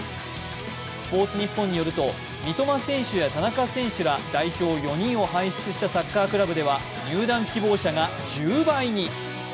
「スポーツニッポン」によると三笘選手や田中選手ら代表４人を輩出したサッカークラブでは入団希望者が１０倍に。